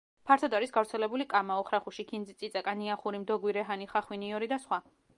ფართოდ არის გავრცელებული კამა, ოხრახუში, ქინძი, წიწაკა, ნიახური, მდოგვი, რეჰანი, ხახვი, ნიორი და სხვა.